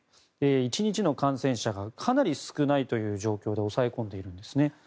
１日の感染者がかなり少ないという状況まで抑え込んでいるんですね。